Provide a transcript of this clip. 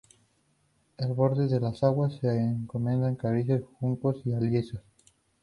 Al borde de las aguas se encuentran carrizales, juncos y alisos.